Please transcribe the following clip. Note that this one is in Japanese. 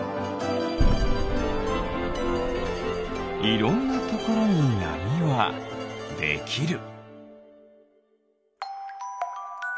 いろんなところになみはできる。